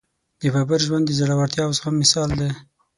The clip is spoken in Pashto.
د بابر ژوند د زړورتیا او زغم مثال دی.